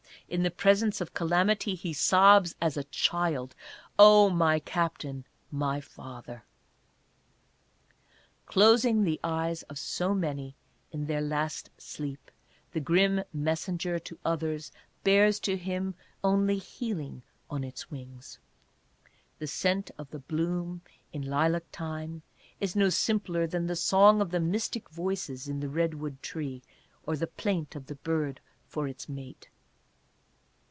In the presence of calamity he sobs, as a child, " Oh my Captain — my Father !" Closing the eyes of so many in their last sleep, the grim messenger to others bears to him only healing on its wings. The scent of the bloom in lilac time is no simpler than the song of the mystic voices in the redwood tree, or the plaint of the bird for its mate.